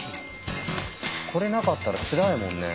これなかったらつらいもんね。